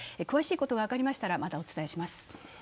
詳しいことが分かりましたら、またお伝えします。